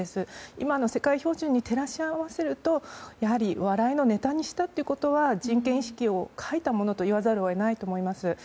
今の世界標準に照らし合わせると笑いのネタにしたということは人権意識を欠いたものと言わざるを得ないと思います。